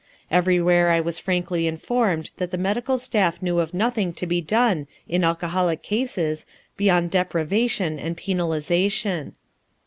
Everywhere I was frankly informed that the medical staff knew of nothing to be done in alcoholic cases beyond deprivation and penalization.